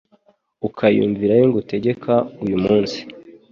ukayumvira ayo ngutegeka uyu munsi